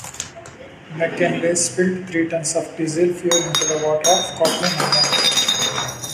McKinley, spilled three tons of diesel fuel into the water off Kotlin Island.